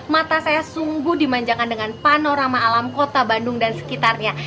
mata saya sungguh dimanjakan dengan panorama alam kota bandung dan sekitarnya